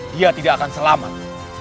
dia tidak akan selamat